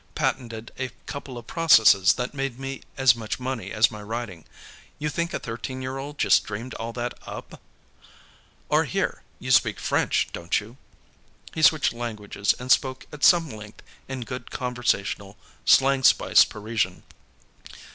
Patented a couple of processes that made me as much money as my writing. You think a thirteen year old just dreamed all that up? Or, here; you speak French, don't you?" He switched languages and spoke at some length in good conversational slang spiced Parisian.